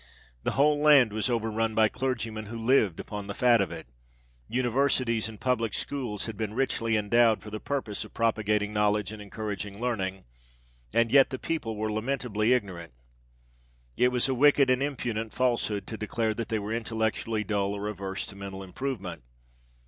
The whole land was over run by clergymen, who lived upon the fat of it—Universities and public schools had been richly endowed for the purpose of propagating knowledge and encouraging learning,—and yet the people were lamentably ignorant. It was a wicked and impudent falsehood to declare that they were intellectually dull or averse to mental improvement.